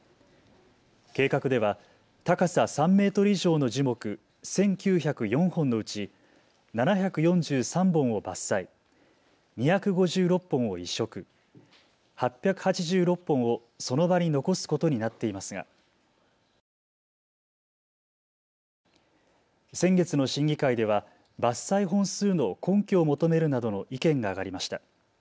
計画では高さ３メートル以上の樹木１９０４本のうち７４３本を伐採、２５６本を移植、８８６本をその場に残すことになっていますが先月の審議会では伐採本数の根拠を求めるなどの意見が上がりました。